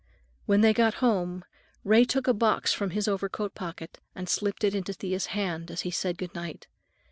When they got home, Ray took a box from his overcoat pocket and slipped it into Thea's hand as he said goodnight.